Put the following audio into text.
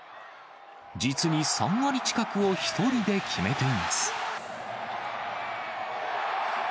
実に３割近くを１人で決めています。